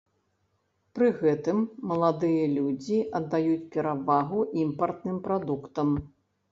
Пры гэтым маладыя людзі аддаюць перавагу імпартным прадуктам.